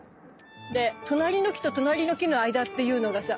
で隣の木と隣の木の間っていうのがさ